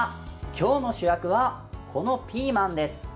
今日の主役は、このピーマンです。